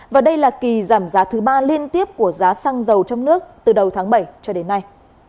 và đây là kỳ giảm giá thứ ba liên tiếp của giá xăng dầu trong nước từ đầu tháng bảy cho đến nay